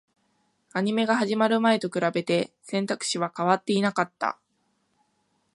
アニメが始まる前と比べて、選択肢は変わっていなかった